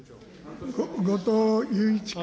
後藤祐一君。